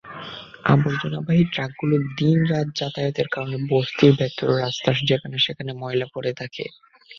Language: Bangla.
আবর্জনাবাহী ট্রাকগুলোর দিন-রাত যাতায়াতের কারণে বস্তির ভেতরের রাস্তার যেখানে-সেখানে ময়লা পড়ে থাকে।